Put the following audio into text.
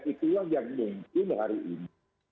itulah yang mungkin hari ini